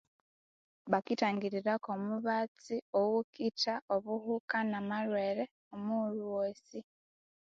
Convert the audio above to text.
Bakithangirira kwo mibatsi owokitha obuhuka na malhwere omighulhu yosi